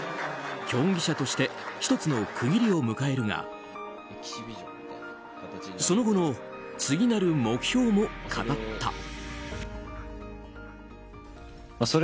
競技者として１つの区切りを迎えるがその後の次なる目標も語った。